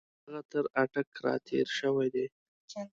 هغه تر اټک را تېر شوی دی.